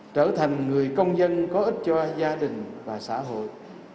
trở thành người công dân có ích cho gia đình và xã hội